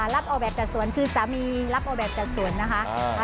รับออกแบบจัดสวนคือสามีรับออกแบบจัดสวนนะคะ